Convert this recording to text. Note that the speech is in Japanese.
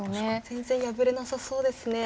全然破れなさそうですね。